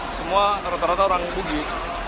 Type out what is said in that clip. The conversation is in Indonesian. semua rata rata orang bugis